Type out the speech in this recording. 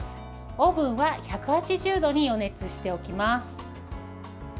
オーブンは１８０度に予熱しておきます。